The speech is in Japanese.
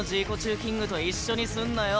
キングと一緒にすんなよ。